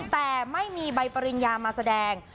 แต่ไม่มีใบปริญญามาแสดง